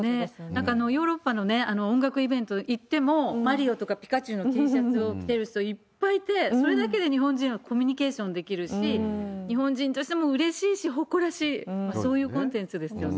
だから、ヨーロッパの音楽イベントへ行っても、マリオとかピカチューのＴシャツを着てる人いっぱいいて、それだけで日本人はコミュニケーションできるし、日本人としてもうれしいし、誇らしい、そういうコンテンツですよね。